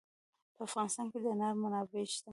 په افغانستان کې د انار منابع شته.